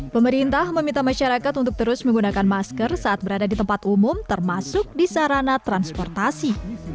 pemerintah meminta masyarakat untuk terus menggunakan masker saat berada di tempat umum termasuk di sarana transportasi